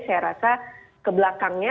saya rasa kebelakangnya